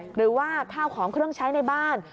หรือว่าข้าวของเครื่องใช้ในบ้าน